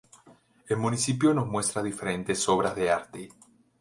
El municipio nos muestra diferentes obras de arte.